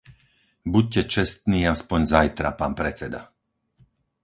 Buďte čestný aspoň zajtra, pán predseda!